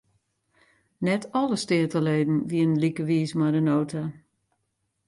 Net alle steateleden wienen like wiis mei de nota.